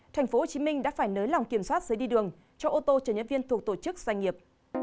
thành phố hồ chí minh đã phải nới lỏng kiểm soát giấy đi đường cho ô tô chở nhân viên thuộc tổ chức doanh nghiệp